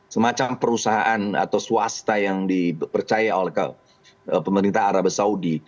semacam perusahaan atau swasta yang dipercaya oleh pemerintah arab saudi